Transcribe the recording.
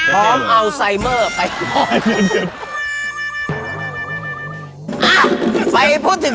พร้อมอัลไซเมอร์ไปก่อน